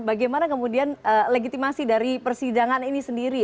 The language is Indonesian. bagaimana kemudian legitimasi dari persidangan ini sendiri